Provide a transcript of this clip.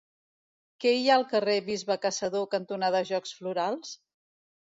Què hi ha al carrer Bisbe Caçador cantonada Jocs Florals?